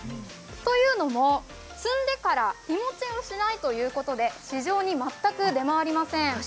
というのも、摘んでから日持ちしないということで市場に全く出回りません。